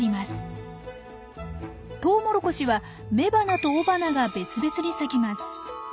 トウモロコシは雌花と雄花が別々に咲きます。